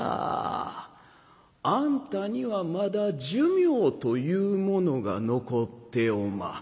あんたにはまだ寿命というものが残っておま。